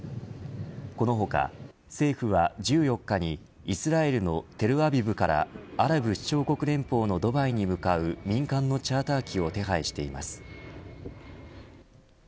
この他、政府は１４日にイスラエルのテルアビブからアラブ首長国連邦のドバイに向かう民間のチャーター機を手配しています。